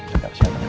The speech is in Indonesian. jaga kesihatan ya